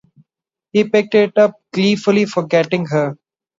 He picked it up gleefully, forgetting her.